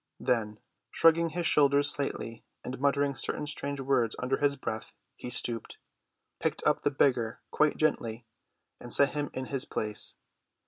Then, shrugging his shoulders slightly and muttering certain strange words under his breath, he stooped, picked up the beggar quite gently, and set him in his place.